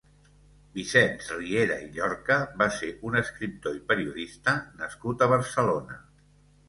Vicenç Riera i Llorca va ser un escriptor i periodista nascut a Barcelona.